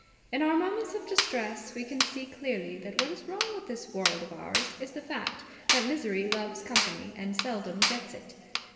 In our moments of distress we can see clearly that what is wrong with this world of ours is the fact that Misery loves company and seldom gets it.